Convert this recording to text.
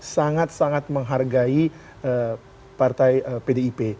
sangat sangat menghargai partai pdip